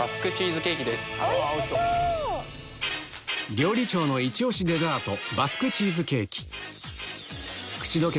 料理長のイチ押しデザート口溶け